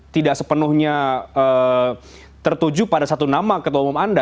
tidak sepenuhnya tertuju pada satu nama ketua umum anda